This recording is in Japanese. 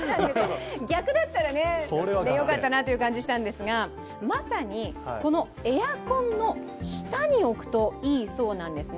逆だったら、よかったなという感じ、したんですがまさにエアコンの下に置くといいそうなんですね。